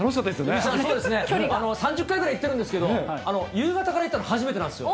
３０回ぐらい行ってるんですけど、夕方から行ったの初めてなんですよ。